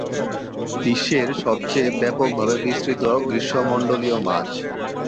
বিশ্বের সবচেয়ে ব্যাপকভাবে বিস্তৃত গ্রীষ্মমণ্ডলীয় মাছ।